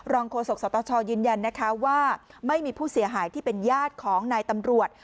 โฆษกสตชยืนยันนะคะว่าไม่มีผู้เสียหายที่เป็นญาติของนายตำรวจ